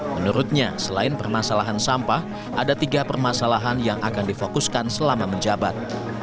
menurutnya selain permasalahan sampah ada tiga permasalahan yang akan difokuskan selama menjabat